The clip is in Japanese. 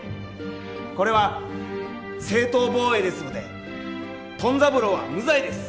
これは正当防衛ですのでトン三郎は無罪です！